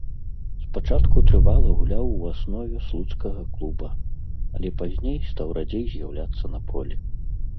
Спачатку трывала гуляў у аснове слуцкага клуба, але пазней стаў радзей з'яўляцца на полі.